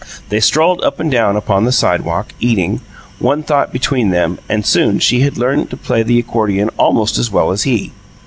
They strolled up and down upon the sidewalk, eating, one thought between them, and soon she had learned to play the accordion almost as well as he.